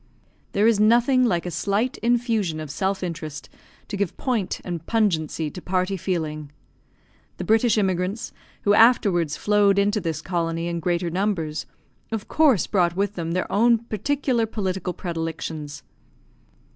There is nothing like a slight infusion of self interest to give point and pungency to party feeling. The British immigrants, who afterwards flowed into this colony in greater numbers, of course brought with them their own particular political predilections.